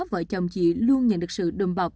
vợ chồng chị luôn nhận được sự đùm bọc